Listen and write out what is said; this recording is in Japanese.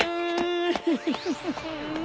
ウフフフフ。